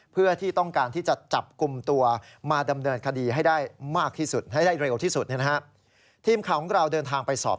เพื่อที่ต้องการที่จะจับกลุ่มตัวมาดำเนินคดีให้ได้มากที่สุดให้ได้เร็วที่สุดเนี่ยนะฮะ